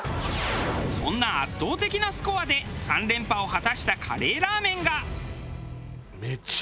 そんな圧倒的なスコアで３連覇を果たしたカレーラーメンが。